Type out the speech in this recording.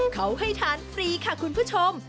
เขาให้ทานฟรีค่ะคุณผู้ชม